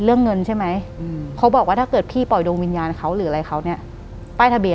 หลังจากนั้นเราไม่ได้คุยกันนะคะเดินเข้าบ้านอืม